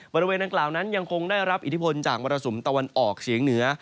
บริเวณดังกล่าวนั้นยังคงได้รับอิทธิพลจากมรสุมตะวันออกเฉียงเหนือ